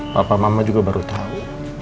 papa mama juga baru tahu